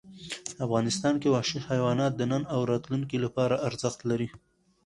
افغانستان کې وحشي حیوانات د نن او راتلونکي لپاره ارزښت لري.